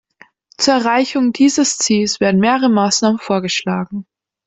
Zur Erreichung dieses Ziels werden mehrere Maßnahmen vorgeschlagen.